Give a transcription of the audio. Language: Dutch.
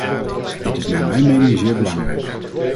Dit is naar mijn mening zeer belangrijk.